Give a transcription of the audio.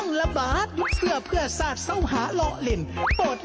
นอนเว่นซอยซาด